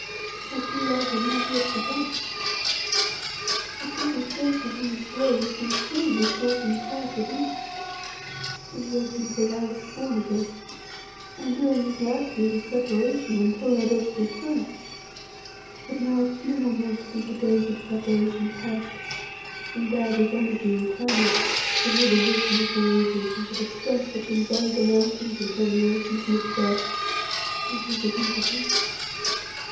My true life has not yet begun. Its little space within this world has been filled with thought and care for thee; in waiting till thou wast born again, and during these last years of separation, until thou didst return. "But now a few more months, and the days of preparation past, endowed with energy eternal, with all the wisdom of the ages, and with a strength that can bend the mountains or turn the ocean from its bed, and we begin to be.